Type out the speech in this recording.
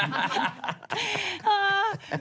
ห้า